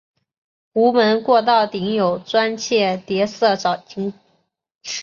壸门过道顶有砖砌叠涩藻井。